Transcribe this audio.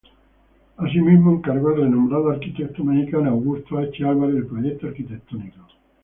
Asimismo encargó al renombrado arquitecto mexicano, Augusto H. Álvarez, el proyecto arquitectónico.